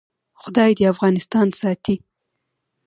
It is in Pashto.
خدای دې افغانستان ساتي؟